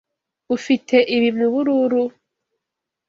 Ufite ibi mubururu?